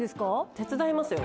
手伝いますよ。